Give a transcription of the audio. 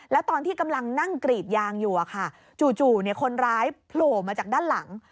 แล้วตอนที่กำลังนั่งกรีดยางอยู่จู่คนร้ายโผล่มาจากด้านหลัง